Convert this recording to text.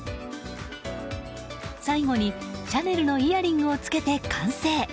最後に、シャネルのイヤリングを着けて完成。